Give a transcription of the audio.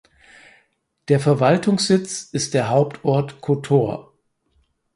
Der Verwaltungssitz ist der Hauptort Kotor.